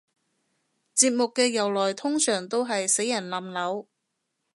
節日嘅由來通常都係死人冧樓